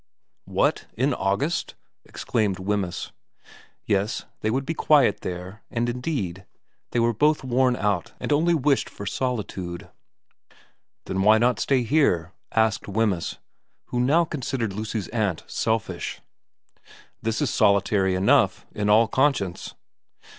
' What, in August ?' exclaimed Wemyss. Yes, they would be quiet there, and indeed they were both worn out and only wished for solitude. ' Then why not stay here ?' asked Wemyss, who now considered Lucy's aunt selfish. ' This is solitary enough, in all conscience.'